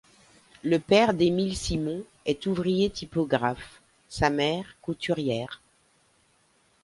Le père d'Émile Simon est ouvrier typographe, sa mère couturière.